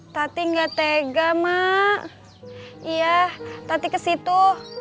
tapi enggak tega mak iya tapi ke situ